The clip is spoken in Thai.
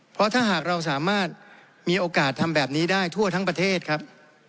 เพราะถ้าหากเราสามารถมีโอกาสทำแบบนี้ได้ทั่วทั้งประเทศครับ